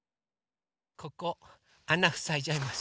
ここあなふさいじゃいます。